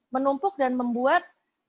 menumpuk dan membuat keseluruhan